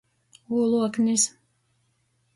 Ūluoknis.